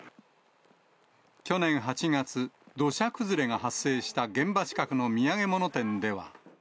去年８月、土砂崩れが発生した現場近くの土産物店では。